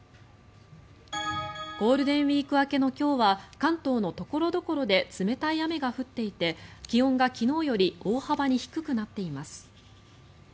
ゴールデンウィーク明けの今日は関東の所々で冷たい雨が降っていて気温が昨日より大幅に低くなっています。